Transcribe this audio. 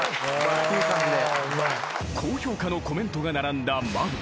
［高評価のコメントが並んだＭＡＢ］